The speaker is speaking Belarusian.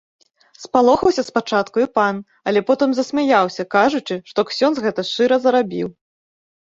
Спалохаўся спачатку і пан, але потым засмяяўся, кажучы, што ксёндз гэта шчыра зарабіў.